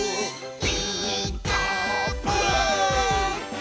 「ピーカーブ！」